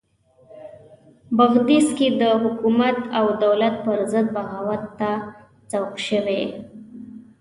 بغدیس کې د حکومت او دولت پرضد بغاوت ته سوق شوي.